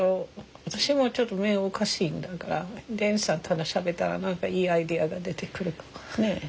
私もちょっと目おかしいだからデンさんとしゃべったら何かいいアイデアが出てくるかも。